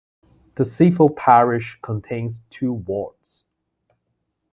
The civil parish contains two wards.